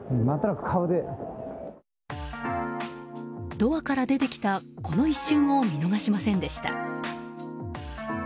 ドアから出てきたこの一瞬を見逃しませんでした。